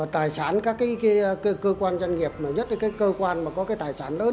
tài sản các cơ quan doanh nghiệp nhất là cơ quan có tài sản lớn